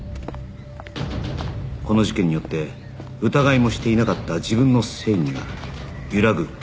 この事件によって疑いもしていなかった自分の正義が揺らぐ事を